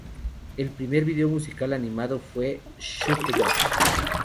El primer video musical animado fue Shoot the Dog.